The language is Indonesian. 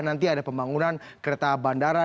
nanti ada pembangunan kereta bandara